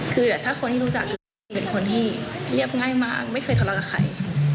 คือถ้าคนที่รู้จักคือเป็นคนที่เรียบง่ายมากไม่เคยทะเลาะกับใคร